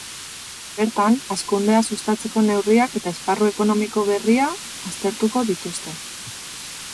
Bertan, hazkundea sustatzeko neurriak eta esparru ekonomiko berria aztertuko dituzte.